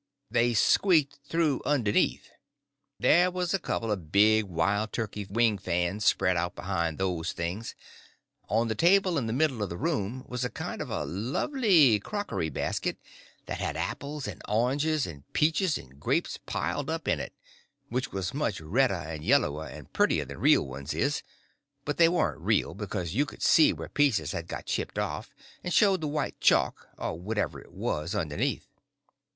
They squeaked through underneath. There was a couple of big wild turkey wing fans spread out behind those things. On the table in the middle of the room was a kind of a lovely crockery basket that had apples and oranges and peaches and grapes piled up in it, which was much redder and yellower and prettier than real ones is, but they warn't real because you could see where pieces had got chipped off and showed the white chalk, or whatever it was, underneath.